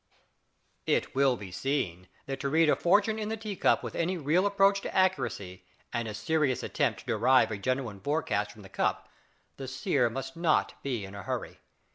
It will be seen that to read a fortune in the tea cup with any real approach to accuracy and a serious attempt to derive a genuine forecast from the cup the seer must not be in a hurry.